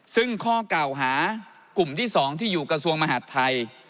ซึ่งข้อเก่าหากลุ่มที่๒ที่อยู่กระทรวงมหาดไทย